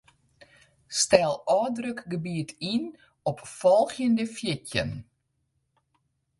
Stel ôfdrukgebiet yn op folgjende fjirtjin.